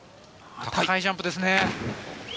高いジャンプですね。